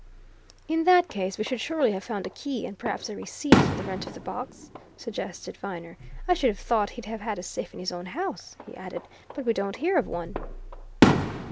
"In that case, we should surely have found a key, and perhaps a receipt for the rent of the box," suggested Viner. "I should have thought he'd have had a safe in his own house," he added, "but we don't hear of one."